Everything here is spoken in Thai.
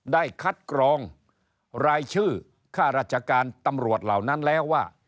ได้คัดกรองรายชื่อค่าราชการตำรวจเหล่านั้นแล้วว่า